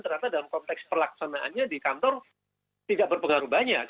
ternyata dalam konteks pelaksanaannya di kantor tidak berpengaruh banyak